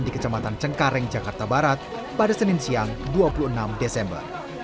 di kecamatan cengkareng jakarta barat pada senin siang dua puluh enam desember